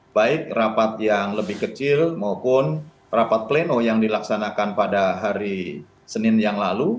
baik rapat yang lebih kecil maupun rapat pleno yang dilaksanakan pada hari senin yang lalu